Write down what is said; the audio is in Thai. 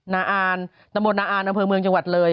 นาอานตำบลนาอ่านอำเภอเมืองจังหวัดเลย